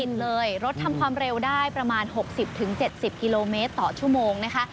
รถทำความเร็วได้ประมาณ๖๐๗๐กิโลเมตรต่อชั่วโมงนะคะ